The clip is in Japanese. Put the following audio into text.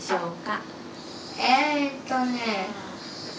えっとね。